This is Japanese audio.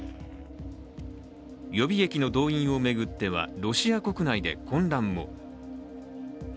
予備役の動員を巡っては、ロシア国内で混乱も。